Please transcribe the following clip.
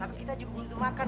tapi kita juga makan